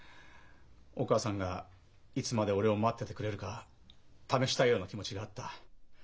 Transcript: お母さんがいつまで俺を待っててくれるか試したいような気持ちがあった。